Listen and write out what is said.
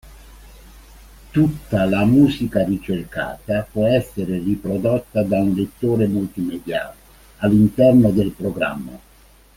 Tutta la musica ricercata può essere riprodotta da un lettore multimediale all'interno del programma.